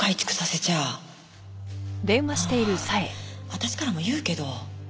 私からも言うけど。